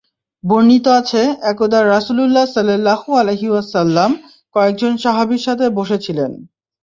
বর্ণিত আছে, একদা রাসূলুল্লাহ সাল্লাল্লাহু আলাইহি ওয়াসাল্লাম কয়েকজন সাহাবীর সাথে বসে ছিলেন।